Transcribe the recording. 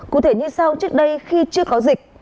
cụ thể như sau trước đây khi chưa có dịch